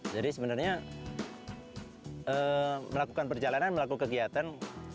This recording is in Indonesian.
jadi sebenarnya melakukan perjalanan melakukan kegiatan